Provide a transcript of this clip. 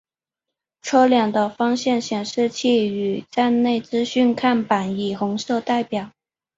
车辆的方向显示器与站内资讯看板以红色代表。